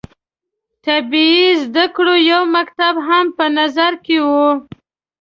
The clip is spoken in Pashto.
طبي زده کړو یو مکتب هم په نظر کې وو.